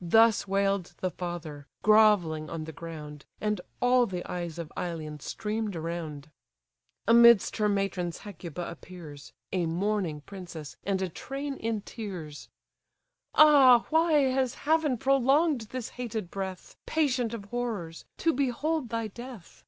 Thus wail'd the father, grovelling on the ground, And all the eyes of Ilion stream'd around. Amidst her matrons Hecuba appears: (A mourning princess, and a train in tears;) "Ah why has Heaven prolong'd this hated breath, Patient of horrors, to behold thy death?